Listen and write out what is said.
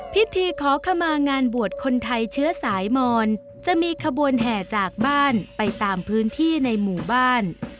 พิธีขอขมางานบวชคนไทยเชื้อสายมอนจะมีขบวนแห่จากบ้านไปตามพื้นที่ในหมู่บ้าน